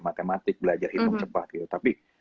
matematik belajar hitung cepat gitu tapi